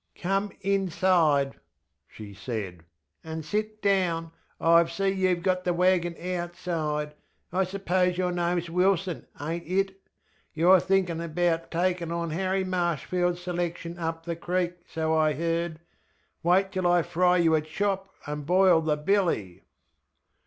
ŌĆśComeŌĆöinside, ŌĆÖ she said, ŌĆÖand sit down. I see youŌĆÖve got the waggon outside. I sŌĆÖpose your nameŌĆÖs Wilson, ainŌĆÖt it? YouŌĆÖre thinkinŌĆÖ about takinŌĆÖ on Harry MarshfieldŌĆÖs selection up the creek, so I heard. Wait till I fry you a chop and boil the billy.